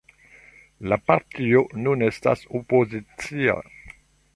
La partio nun estas opozicia.